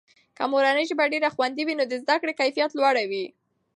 که مورنۍ ژبه ډېره خوندي وي، نو د زده کړې کیفیته لوړه وي.